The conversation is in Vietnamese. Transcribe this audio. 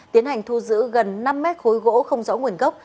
tiến hành thu giữ gần năm mét khối gỗ không rõ nguồn gốc